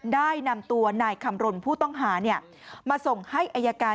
ได้นำตัวนายคำรณผู้ต้องหามาส่งให้อายการ